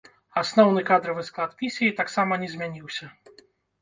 Асноўны кадравы склад місіі таксама не змяніўся.